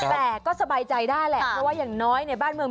แต่ก็สบายใจได้แหละเพราะว่าอย่างน้อยในบ้านเมือง